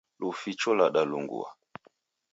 Luficho lwadalungua